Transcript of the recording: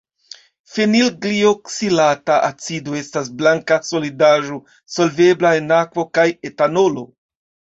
Fenilglioksilata acido estas blanka solidaĵo, solvebla en akvo kaj etanolo.